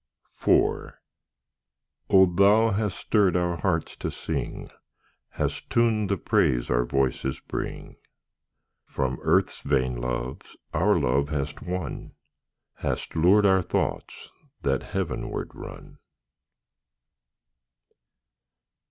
IV O Thou hast stirred our hearts to sing, Hast tuned the praise our voices bring; From earth's vain loves our love hast won, Hast lured our thoughts that heavenward run.